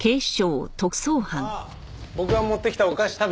あっ僕が持ってきたお菓子食べてる。